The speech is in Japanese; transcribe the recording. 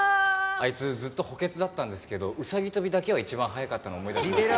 あいつずっと補欠だったんですけどうさぎ跳びだけは一番速かったの思い出しました。